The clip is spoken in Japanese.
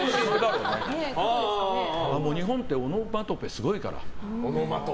日本ってオノマトペすごいから。